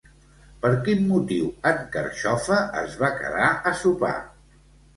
Per quin motiu en Carxofa es va quedar a sopar?